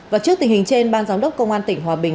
và trước tình hình trên ban giám đốc công an tỉnh hòa bình